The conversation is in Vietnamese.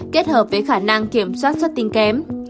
kết hợp với khả năng kiểm soát xuất tinh kém